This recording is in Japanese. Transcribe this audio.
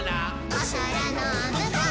「おそらのむこう！？